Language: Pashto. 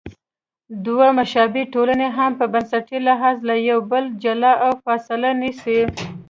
دوه مشابه ټولنې هم په بنسټي لحاظ له یو بله جلا او فاصله نیسي.